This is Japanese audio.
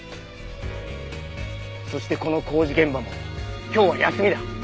そしてこの工事現場も今日は休みだ。